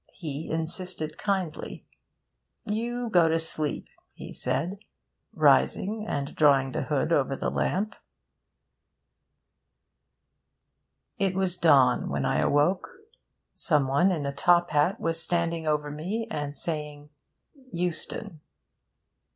He insisted kindly. 'You go to sleep,' he said, rising and drawing the hood over the lamp. It was dawn when I awoke. Some one in a top hat was standing over me and saying 'Euston.'